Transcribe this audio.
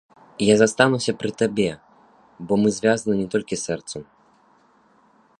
Я застануся пры табе, бо мы звязаны не толькі сэрцам.